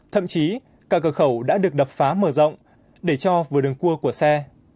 thậm chí cả cửa khẩu đã được đập phá mở rộng để cho vừa đường cua của xe